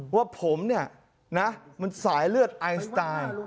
ว่าผมเนี่ยนะมันสายเลือดไอสไตล์